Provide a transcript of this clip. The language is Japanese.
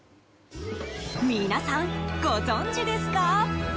皆さん、ご存じですか？